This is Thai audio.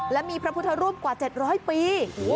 และมีพระพุทธรูปกว่า๗๐๐ปี